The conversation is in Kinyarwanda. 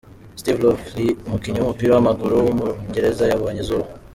Steve Lovell, umukinnyi w’umupira w’amaguru w’umwongereza yabonye izuba.